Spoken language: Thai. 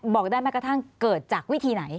บอกได้แม้กระทั่งเกิดจากวิธีไหน